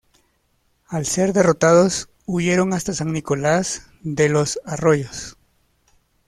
Al ser derrotados, huyeron hasta San Nicolás de los Arroyos.